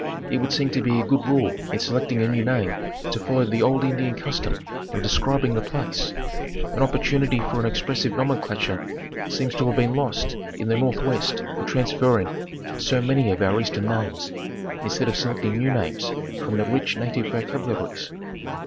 It would seem to be a good rule in selecting a new name to fol low the old Indian custom of describing the place. An oppor tunity for an expressive nomenclature seems to have been lost in the north west in transferring so many of our eastern names, instead of selecting new names from the rich native vocabularies.